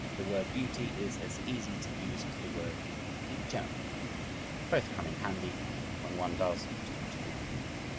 The word "beauty" is as easy to use as the word "degenerate." Both come in handy when one does or does not agree with you.